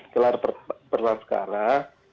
gelar perkara sekarang